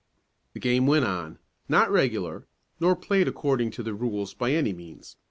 The game went on, not regular, nor played according to the rules by any means.